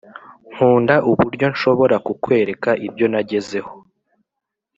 nkunda uburyo nshobora kukwereka ibyo nagezeho